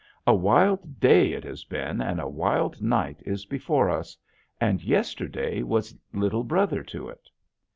A wild day it has been and a wild night is before us. And yesterday was little brother to it.